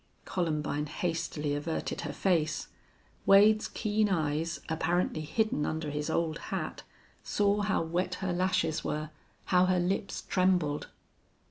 Columbine hastily averted her face. Wade's keen eyes, apparently hidden under his old hat, saw how wet her lashes were, how her lips trembled.